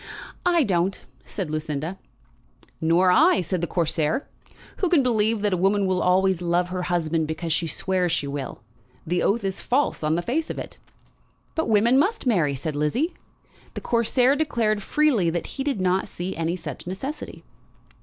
"I don't," said Lucinda. "Nor I," said the Corsair. "Who can believe that a woman will always love her husband because she swears she will? The oath is false on the face of it." "But women must marry," said Lizzie. The Corsair declared freely that he did not see any such necessity.